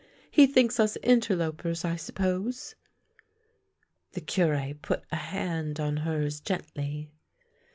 He thinks us interlopers, I suppose." The Cure put a hand on hers gently.